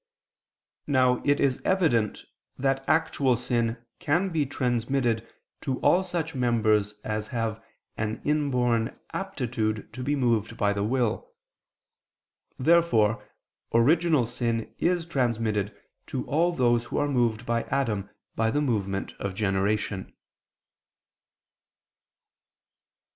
Now it is evident that actual sin can be transmitted to all such members as have an inborn aptitude to be moved by the will. Therefore original sin is transmitted to all those who are moved by Adam by the movement of generation.